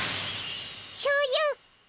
しょうゆ！